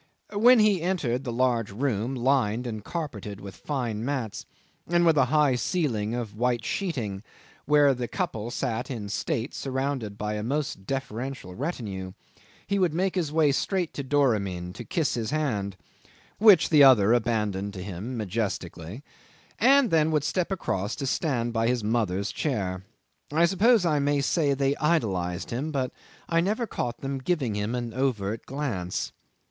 When he entered the large room, lined and carpeted with fine mats, and with a high ceiling of white sheeting, where the couple sat in state surrounded by a most deferential retinue, he would make his way straight to Doramin, to kiss his hand which the other abandoned to him, majestically and then would step across to stand by his mother's chair. I suppose I may say they idolised him, but I never caught them giving him an overt glance.